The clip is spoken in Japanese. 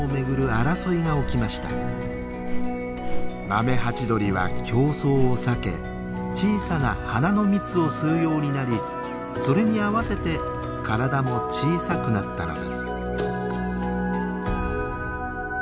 マメハチドリは競争を避け小さな花の蜜を吸うようになりそれに合わせて体も小さくなったのです。